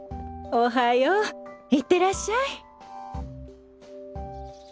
おはよう行ってらっしゃい。